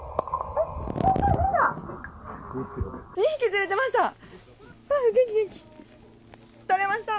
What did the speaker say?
２匹、釣れていました！